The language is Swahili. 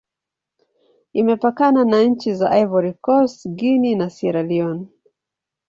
Imepakana na nchi za Ivory Coast, Guinea, na Sierra Leone.